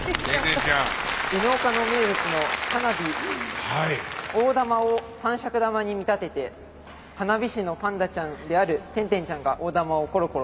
Ｎ岡の名物の花火大玉を三尺玉に見立てて花火師のパンダちゃんである転転ちゃんが大玉をコロコロと。